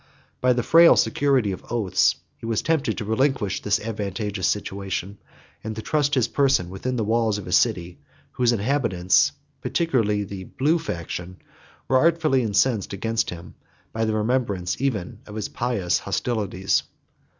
By the frail security of oaths, he was tempted to relinquish this advantageous situation, and to trust his person within the walls of a city, whose inhabitants, particularly the blue faction, were artfully incensed against him by the remembrance even of his pious hostilities.